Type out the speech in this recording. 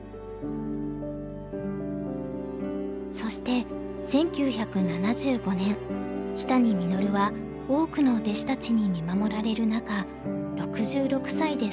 そして１９７５年木谷實は多くの弟子たちに見守られる中６６歳でその生涯を終えました。